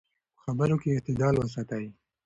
په خبرو کې اعتدال وساتئ.